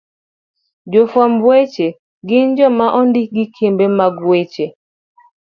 Jofwamb weche gin joma ondik gi kembe mag weche